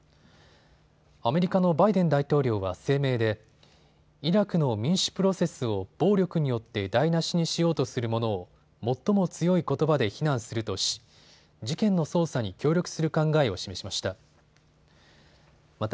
アメリカのバイデン大統領は声明でイラクの民主プロセスを暴力によって台なしにしようとする者を最も強いことばで非難するとし、事件の捜査に協力する考えを示しました。